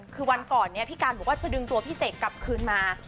คือวันก่อนเนี่ยพี่การบอกว่าจะดึงตัวพี่เสกกลับคืนมา